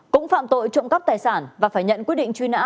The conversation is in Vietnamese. cũng phạm tội trộm cắp tài sản và phải nhận quyết định truy nã